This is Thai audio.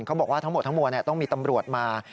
เขาบอกว่าทั้งหมดต้องมีตำรวจมา